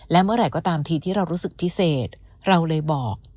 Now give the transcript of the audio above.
และเมื่อไหร่ก็ตามทีที่เรารู้สึกพิเศษเราเลยบอก